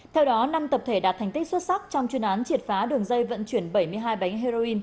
theo đó năm tập thể đạt thành tích xuất sắc trong chuyên án triệt phá đường dây vận chuyển bảy mươi hai bánh heroin